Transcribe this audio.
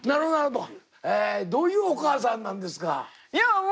どういうお母さんなんですか？